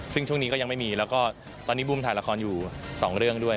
ซึ่งช่วงนี้ก็ยังไม่มีแล้วก็ตอนนี้บุ้มถ่ายละครอยู่สองเรื่องด้วย